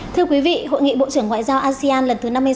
thưa quý vị hội nghị bộ trưởng ngoại giao asean lần thứ năm mươi sáu